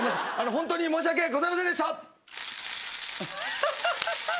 ホントに申し訳ございませんでした。